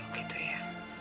oh gitu ya